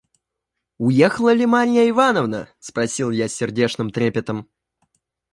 – «Уехала ли Марья Ивановна?» – спросил я с сердечным трепетом.